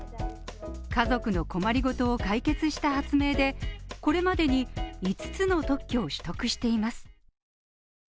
家族の困りごとを解決した発明でこれまでに、５つの特許を取得しています。